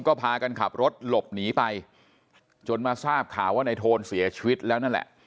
ก็พากันขับรถหลบหนีไปจนมาทราบข่าวว่าในโทนเสียชีวิตแล้วนั่นแหละ